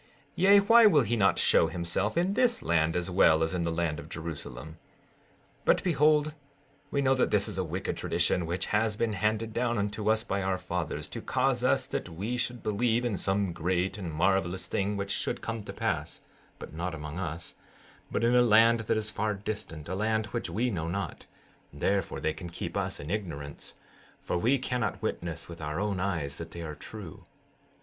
16:19 Yea, why will he not show himself in this land as well as in the land of Jerusalem? 16:20 But behold, we know that this is a wicked tradition, which has been handed down unto us by our fathers, to cause us that we should believe in some great and marvelous thing which should come to pass, but not among us, but in a land which is far distant, a land which we know not; therefore they can keep us in ignorance, for we cannot witness with our own eyes that they are true.